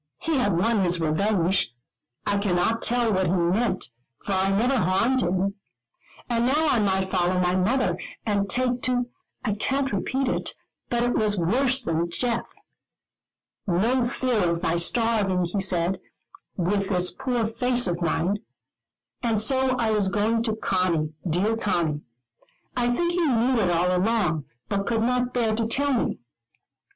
He had won his revenge I cannot tell what he meant, for I never harmed him and now I might follow my mother, and take to I can't repeat it, but it was worse than death. No fear of my starving, he said, with this poor face of mine. And so I was going to Conny, dear Conny; I think he knew it all long ago, but could not bear to tell me.